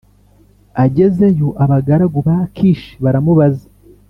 Agezeyo abagaragu ba Akishi baramubaza